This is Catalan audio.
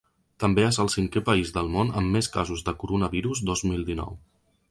També és el cinquè país del món amb més casos de coronavirus dos mil dinou.